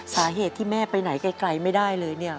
สาเหตุที่แม่ไปไหนไกลไม่ได้เลยเนี่ย